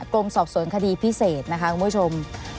กรมสอบสวนคดีพิเศษนะคะคุณผู้ชม